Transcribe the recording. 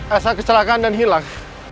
elsa kecelakaan dan hilang